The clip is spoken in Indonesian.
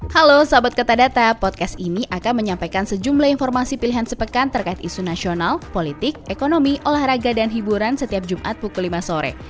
halo sahabat kata podcast ini akan menyampaikan sejumlah informasi pilihan sepekan terkait isu nasional politik ekonomi olahraga dan hiburan setiap jumat pukul lima sore